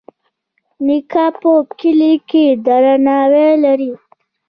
نیکه په کلي کې درناوی لري.